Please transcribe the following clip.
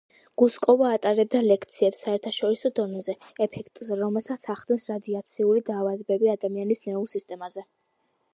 გუსკოვა ატარებდა ლექციებს საერთაშორისო დონეზე, ეფექტზე, რომელსაც ახდენს რადიაციული დაავადებები ადამიანის ნერვულ სისტემაზე.